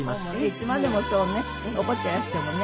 いつまでもそうね怒っていらしてもね。